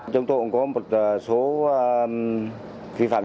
chúng tôi cũng có một số phi phạm